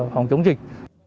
phòng chống dịch